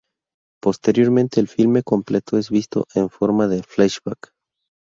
Posteriormente el filme completo es visto en forma de flashback.